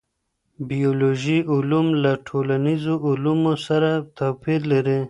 بیولوژيکي علوم له ټولنیزو علومو سره توپیر لري.